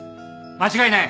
間違いない。